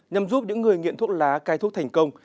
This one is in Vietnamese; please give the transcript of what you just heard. nhằm giúp những người nghiện thuốc lá cai thuốc thành công